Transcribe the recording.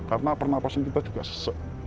karena pernafasan kita juga sesek